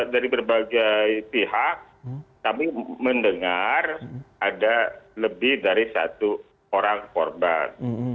dari berbagai pihak kami mendengar ada lebih dari satu orang korban